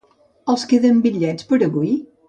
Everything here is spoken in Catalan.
¿Els queden bitllets per avui?